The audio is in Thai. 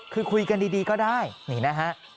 คือคุยกันดีก็ได้นี่นะฮะ